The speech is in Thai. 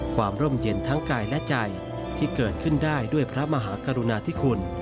ร่มเย็นทั้งกายและใจที่เกิดขึ้นได้ด้วยพระมหากรุณาธิคุณ